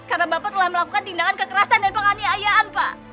karena bapak telah melakukan tindakan kekerasan dan penghanian ayah pak